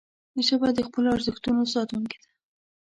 ژبه د خپلو ارزښتونو ساتونکې ده